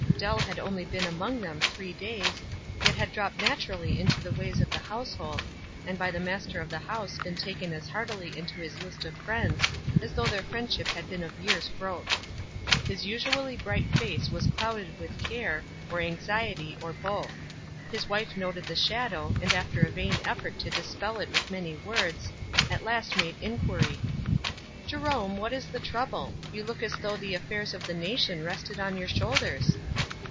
Dell had only been among them three days, yet had dropped naturally into the ways of the household, and by the master of the house been taken as heartily into his list of friends as though their friendship had been of years 1 growth. His usually bright face was clouded with care, or anxiety, or both ; his wife noted the shadow, and after a vain effort to dispel it with man} 7 words, at last made inquiry. "Jerome what is the trouble? You look as though the affairs of the nation rested on your shoulders."